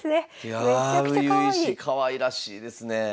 かわいらしいですねえ。